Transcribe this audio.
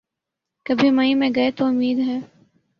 کبھی مئی میں گئے تو امید ہے۔